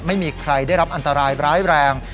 ไม่มีใครได้รับอันตรายร้ายแรง